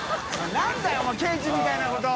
燭世お前刑事みたいなことを。